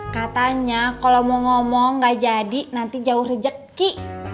katanya kalau mau ngomong gak jadi nanti jauh rejeki